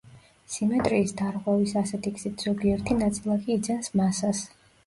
სიმეტრიის დარღვევის ასეთი გზით ზოგიერთი ნაწილაკი იძენს მასას.